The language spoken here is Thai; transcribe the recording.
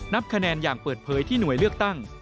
นับคะแนนอย่างเปิดเผยที่หน่วยเลือกตั้ง